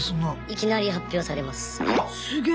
いきなり発表されます。